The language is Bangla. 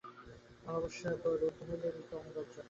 ভালবাসা রুদ্ধ হইলে মৃত্যু অনিবার্য।